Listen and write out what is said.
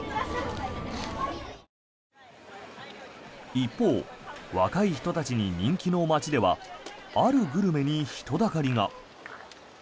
一方若い人たちに人気の街ではあるグルメに人だかりが。